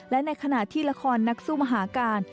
และในขณะที่ละครนักสู้มหาการ